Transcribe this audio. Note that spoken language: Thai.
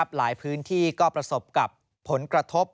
หลายพื้นที่ก็ประสบกับผลกระทบ